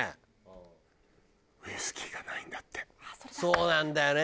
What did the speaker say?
そうなんだよね！